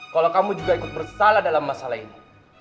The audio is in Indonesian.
kalau kamu juga ikut bersalah dalam masalah ini